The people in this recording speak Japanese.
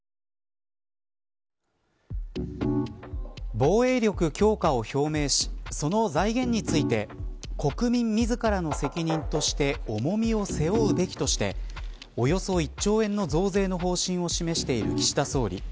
防衛力強化を表明しその財源について国民自らの責任として重みを背負うべきとしておよそ１兆円の増税の方針を示している岸田総理。